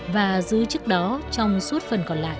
và giữ chức đó trong suốt phần còn lại